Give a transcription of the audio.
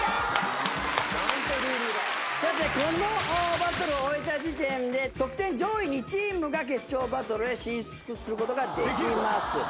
このバトルを終えた時点で得点上位２チームが決勝バトルへ進出することができます。